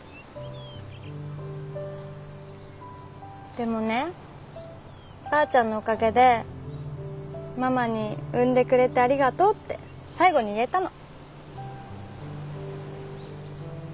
でもねばあちゃんのおかげでママに「産んでくれてありがとう」って最後に言えたの。